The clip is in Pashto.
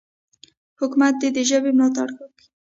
حکومت دې د ژبې ملاتړ وکړي.